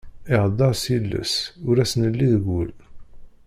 Iheddeṛ s yiles ur as-nelli deg ul.